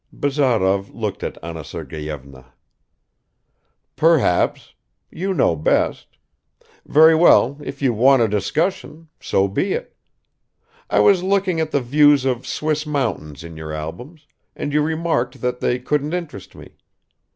Bazarov looked at Anna Sergeyevna. "Perhaps. You know best. Very well, if you want a discussion so be it. I was looking at the views of Swiss mountains in your albums, and you remarked that they couldn't interest me.